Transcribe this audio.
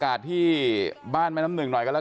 ความปลอดภัยของนายอภิรักษ์และครอบครัวด้วยซ้ำ